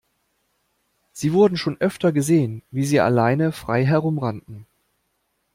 Sie wurden schon öfter gesehen, wie sie alleine frei herumrannten.